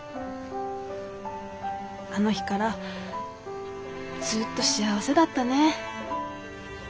あの日からずっと幸せだったねぇ。